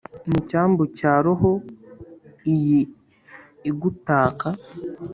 mu cyambu cya roho iyi igutaka